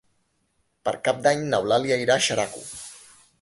Per Cap d'Any n'Eulàlia irà a Xeraco.